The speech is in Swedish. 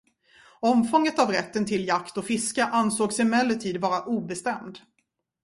Omfånget av rätten till jakt och fiske ansågs emellertid vara obestämd.